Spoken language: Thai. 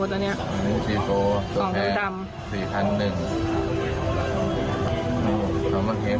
ใครแต่งตัวดียังสี่โปโตแพ้สี่คันหนึ่งสามังเหศจ